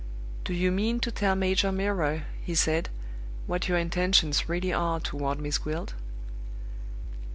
"Do you mean to tell Major Milroy," he said, "what your intentions really are toward Miss Gwilt?"